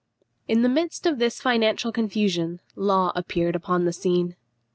In the midst of this financial confusion Law appeared upon the scene.